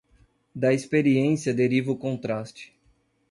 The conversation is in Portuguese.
Da experiência deriva o contraste